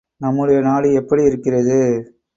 நம்முடைய நாடு எப்படி இருக்கிறது?